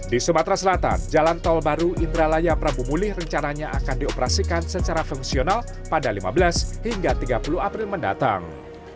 di sumatera selatan jalan tol baru indralaya prabu mulih rencananya akan dioperasikan secara fungsional pada lima belas hingga tiga puluh april mendatang